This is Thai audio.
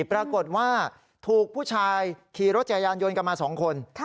ปรากฏว่าถูกผู้ชายขี่รถจักรยานยนต์กันมา๒คน